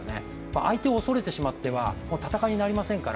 相手を恐れてしまっては戦いになりませんから